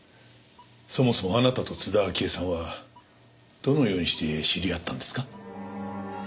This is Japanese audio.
そもそもあなたと津田明江さんはどのようにして知り合ったんですか？